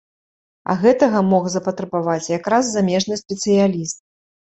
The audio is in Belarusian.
А гэтага мог запатрабаваць якраз замежны спецыяліст.